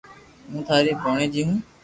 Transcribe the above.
ھون ٿاري ڀوڻيجي ھون